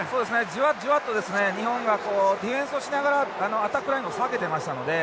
じわっじわっとですね日本がディフェンスをしながらアタックラインを下げてましたので。